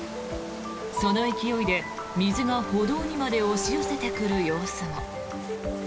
その勢いで水が歩道にまで押し寄せてくる様子も。